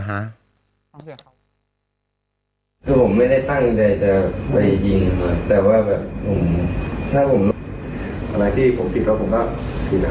คือผมไม่ได้ตั้งใจจะไปยิงแต่ว่าแบบผมถ้าผมอะไรที่ผมผิดแล้วผมก็ผิดแล้ว